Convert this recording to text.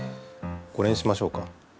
これにしましょうか。